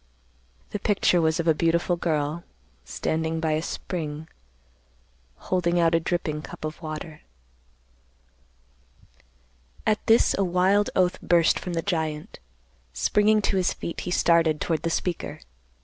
The picture was of a beautiful girl, standing by a spring, holding out a dripping cup of water." At this a wild oath burst from the giant. Springing to his feet, he started toward the speaker.